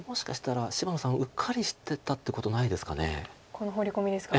このホウリコミですか？